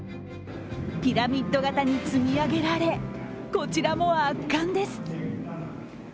ピラミッド型に積み上げられこちらも圧巻です。